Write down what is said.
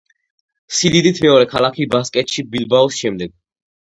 სიდიდით მეორე ქალაქი ბასკეთში ბილბაოს შემდეგ.